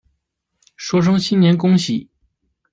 说声新年恭喜